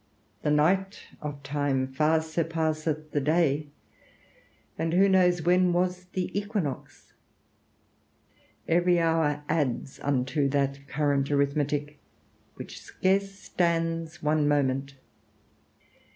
The night of time far surpasseth the day; and who knows when was the equinox? Every hour adds unto that current arithmetic, which scarce stands one moment.